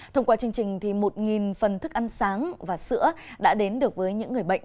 thông qua chương trình một phần thức ăn sáng và sữa đã đến được với những người bệnh